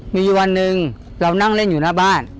มีอยู่วันหนึ่งเรานั่งเล่นอยู่หน้าบ้าน